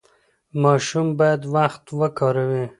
ماشوم باید وخت وکاروي.